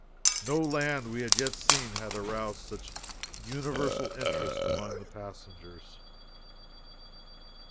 No land we had yet seen had aroused such universal interest among the passengers.